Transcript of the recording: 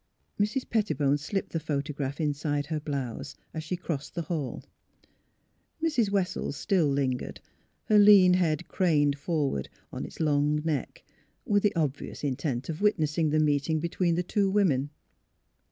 Mrs. Pettibone slipped the photograph inside her blouse as she crossed the hall. Mrs. Wes sels still lingered, her lean head craned forward on its long neck, with the obvious intent of wit nessing the meeting between the two women.